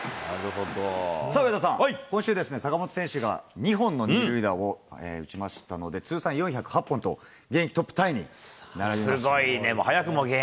さあ上田さん、今週、坂本選手が２本の２塁打を打ちましたので、通算４０８本と、すごいね。